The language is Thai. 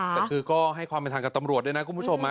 แต่คือก็ให้ความเป็นทางกับตำรวจด้วยนะคุณผู้ชม